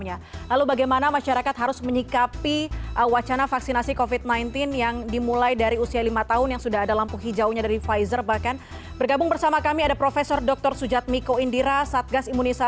selamat malam puspa selamat malam shn indonesia sehat semua